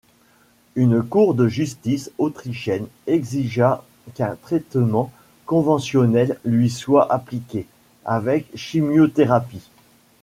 Une cour de justice autrichienne exigea qu'un traitement conventionnel lui soit appliqué, avec chimiothérapie.